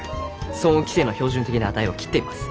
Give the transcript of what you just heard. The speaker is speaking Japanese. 騒音規制の標準的な値を切っています。